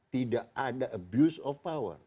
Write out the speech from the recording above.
tidak ada abuse of power